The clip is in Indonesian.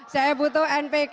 saya butuh npk